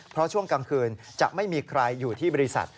เพราะช่วงกลางคืนจะไม่มีใครอยู่ที่บริษัท